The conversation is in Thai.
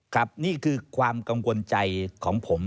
ครับนี่คือความกังวลใจของผม